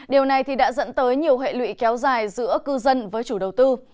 điều này đã dẫn tới nhiều hệ lụy kéo dài giữa cư dân với chủ đầu tư